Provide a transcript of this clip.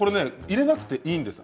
入れなくていいんです。